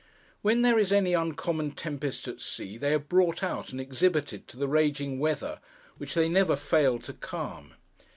When there is any uncommon tempest at sea, they are brought out and exhibited to the raging weather, which they never fail to calm.